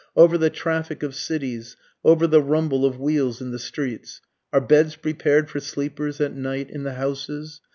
Over the traffic of cities over the rumble of wheels in the streets; Are beds prepared for sleepers at night in the houses?